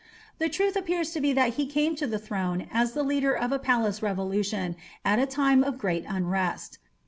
The truth appears to be that he came to the throne as the leader of a palace revolution at a time of great unrest.